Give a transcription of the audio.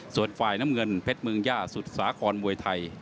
ส่วนฝ่ายน้ำเงินเพชรเมืองย่าสุดสาครมวยไทย